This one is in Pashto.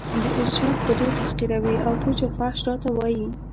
د ارشاد په دود تحقیروي او پوچ و فحش راته وايي